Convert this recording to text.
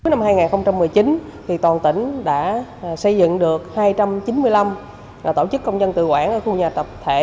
năm hai nghìn một mươi chín toàn tỉnh đã xây dựng được hai trăm chín mươi năm tổ chức công nhân tự quản ở khu nhà tập thể